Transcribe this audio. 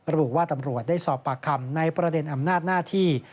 ระบุว่าตำรวจได้สอบปากคำในประเด็นอำนาจหน้าที่